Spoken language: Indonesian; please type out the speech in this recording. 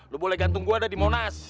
lu boleh gantung gue ada di monas